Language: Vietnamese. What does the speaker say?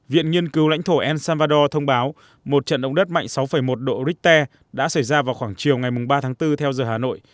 viện nghiên cứu lãnh thổ el salvador thông báo một trận động đất mạnh sáu một độ richter đã xảy ra vào khoảng chiều ngày ba tháng bốn theo giờ hà nội